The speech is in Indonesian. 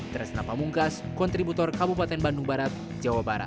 tresna pamungkas kontributor kabupaten bandung barat jawa barat